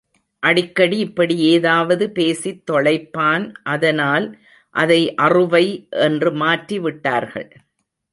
அடிக்கடி இப்படி ஏதாவது பேசித் தொளைப்பான் அதனால் அதை அறுவை என்று மாற்றி விட்டார்கள்.